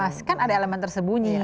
mas kan ada elemen tersembunyi